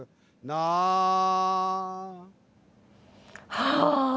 ・はあ！